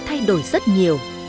thay đổi rất nhiều